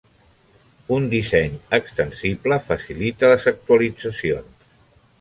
Un disseny extensible facilita les actualitzacions.